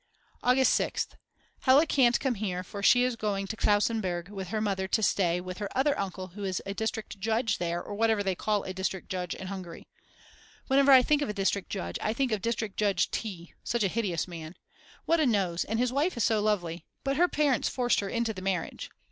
August 6th. Hella can't come here, for she is going to Klausenburg with her mother to stay with her other uncle who is district judge there or whatever they call a district judge in Hungary. Whenever I think of a district judge I think of District Judge T., such a hideous man. What a nose and his wife is so lovely; but her parents forced her into the marriage.